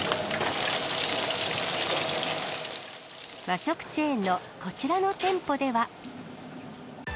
和食チェーンのこちらの店舗では。